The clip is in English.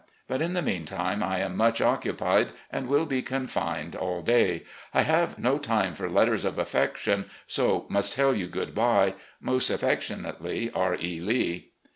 But, in the meantime, I am much occupied, and will be confined aU day. I have no time for letters of affection, so must tell you good bye. "Most affectionately, "R. E. Lee."